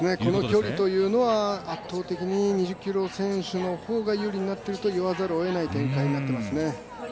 この距離というのは圧倒的に２０ｋｍ選手の方が有利になっていると言わざるをえない展開になっていますね。